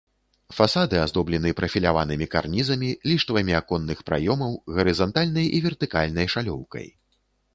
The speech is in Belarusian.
Фасады аздоблены прафіляванымі карнізамі, ліштвамі аконных праёмаў, гарызантальнай і вертыкальнай шалёўкай.